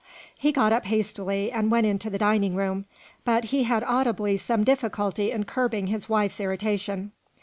He got up hastily, and went into the dining room; but he had audibly some difficulty in curbing his wife's irritation.